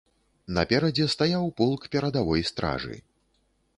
Наперадзе стаяў полк перадавой стражы.